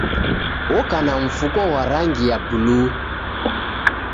Oka na mfuko ghwa rangi ya buluu.